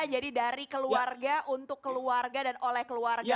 jadi dari keluarga untuk keluarga dan oleh keluarga